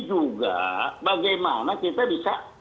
juga bagaimana kita bisa